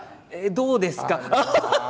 どうですか？